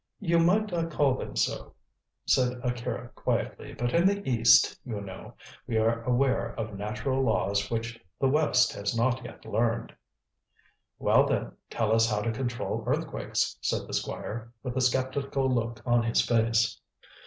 "You might not call them so," said Akira quietly; "but in the East, you know, we are aware of natural laws which the West has not yet learned." "Well, then, tell us how to control earthquakes," said the Squire, with a sceptical look on his face.